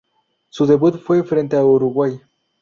Su debut fue frente a Uruguay.